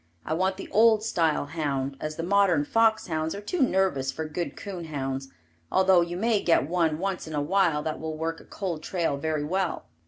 I want the old style hound, as the modern fox hounds are too nervous for good coon hounds, although you may get one once in a while that will work a cold trail very well.